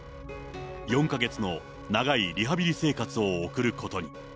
４か月の長いリハビリ生活を送ることに。